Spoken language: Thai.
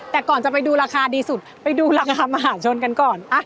แต่ก่อนจะไปดูราคาดีสุดไปดูราคามหาชนกันก่อน